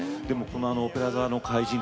「オペラ座の怪人」